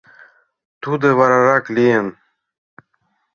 Тудо варарак лийын...